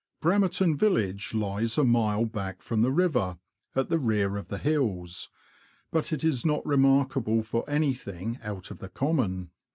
Bramerton village lies a mile back from the river, at the rear of the hills, but is not remarkable for anything out of the common.